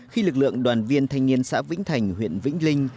khi lực lượng đoàn viên thanh niên xã vĩnh thành huyện vĩnh linh